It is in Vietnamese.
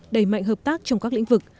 đẩy mạnh hợp tác trong các lĩnh vực